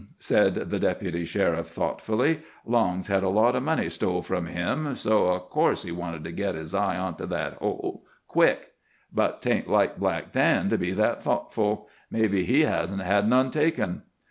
said the Deputy Sheriff thoughtfully, "Long's had a lot of money stole from him, so, of course, he wanted to git his eyes on to that hole quick. But 'tain't like Black Dan to be that thoughtful. Maybe he hasn't had none taken."